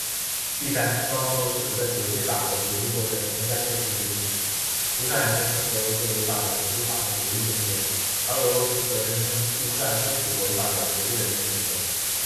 第三，双方都试图在国际法和国际公约的框架内寻求支持。乌克兰声称俄罗斯违反了国际法和国际公约，而俄罗斯则声称乌克兰政府违反了国际人权准则。